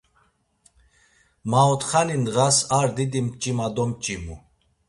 Maotxani ndğas ar didi mç̌ima domç̌imu.